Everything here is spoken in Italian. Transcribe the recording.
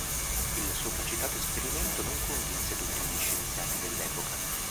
Il sopracitato esperimento non convinse tutti gli scienziati dell'epoca.